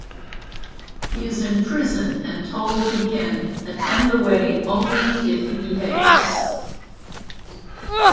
He is imprisoned and told he can attend the wedding only if he behaves.